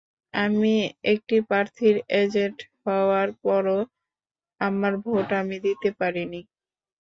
আমি একটি প্রার্থীর এজেন্ট হওয়ার পরও আমার ভোট আমি দিতে পারিনি।